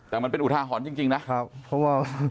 แต่มันเป็นอุทาหอนจริงนะ